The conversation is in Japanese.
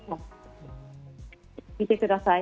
見てください。